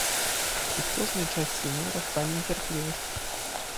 І з кожнай часінай расла нецярплівасць.